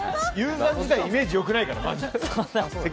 海原自体イメージよくないからね。